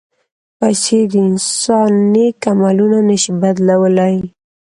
پېسې د انسان نیک عملونه نه شي بدلولی.